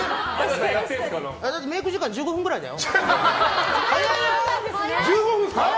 メイク時間１５分くらいだよ。